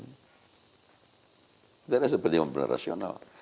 sebenarnya seperti yang benar benar rasional